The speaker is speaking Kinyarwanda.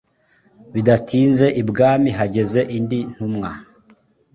bidatinze ibwami hageze indi ntumwa